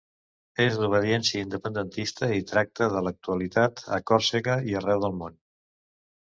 És d'obediència independentista i tracta de l'actualitat a Còrsega i arreu del món.